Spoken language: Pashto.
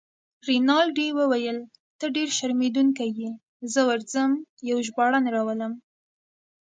رینالډي وویل: ته ډیر شرمېدونکی يې، زه ورځم یو ژباړن راولم.